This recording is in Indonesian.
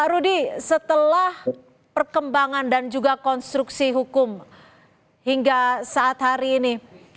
rudy setelah perkembangan dan juga konstruksi hukum hingga saat hari ini